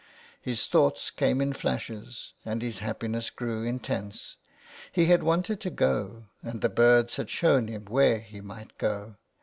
His thoughts came in flashes, and his happiness grew intense. He had wanted to go and the birds had shown him where he might go.